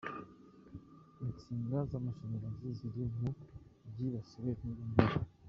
Insinga z’amashanyarazi ziri mu byibasiwe n’uyu muyaga.